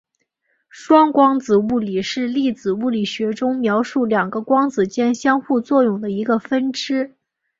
双光子物理是粒子物理学中描述两个光子间相互作用的一个分支。